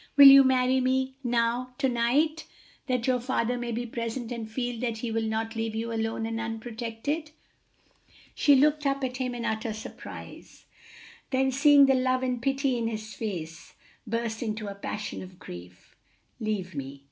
will you marry me now, to night, that your father may be present and feel that he will not leave you alone and unprotected?" She looked up at him in utter surprise, then seeing the love and pity in his face, burst into a passion of grief. "Leave me!